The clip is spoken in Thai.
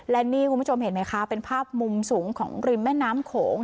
และนี่คุณผู้ชมเห็นไหมคะเป็นภาพมุมสูงของริมแม่น้ำโขง